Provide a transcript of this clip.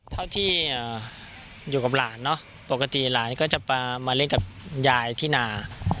เท่าที่อยู่กับหลานเนอะปกติหลานก็จะมาเล่นกับยายที่นา